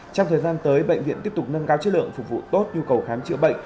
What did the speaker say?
trong thời gian tới bệnh viện tiếp tục nâng cao chất lượng phục vụ tốt nhu cầu khám chữa bệnh